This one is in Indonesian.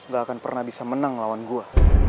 gak akan pernah bisa menang lawan gua